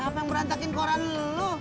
siapa yang berantakin koran lu